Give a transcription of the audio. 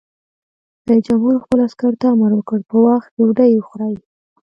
رئیس جمهور خپلو عسکرو ته امر وکړ؛ په وخت ډوډۍ وخورئ!